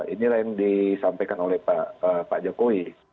inilah yang disampaikan oleh pak jokowi